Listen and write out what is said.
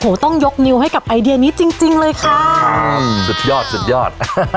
โอ้โหต้องยกนิ้วให้กับไอเดียนี้จริงจริงเลยค่ะสุดยอดสุดยอด